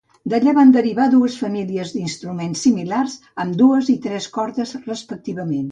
D'allà van derivar dues famílies d'instruments similars, amb dues i tres cordes respectivament.